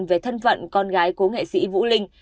về thân phận con gái cố nghệ sĩ vũ linh